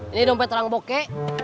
ini dompet rangboke